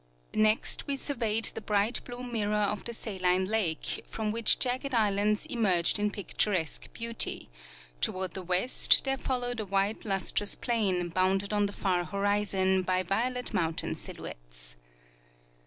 Next we surveyed the bright blue mirror of the saline lake, from Avhich jagged islands emerged in picturesque beauty ; toward the west there followed a white lustrous plain bounded on the far horizon by violet mountain silhouettes.